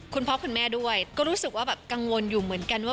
ถ้าได้ใช้การกล้าวหรือไม่ใช่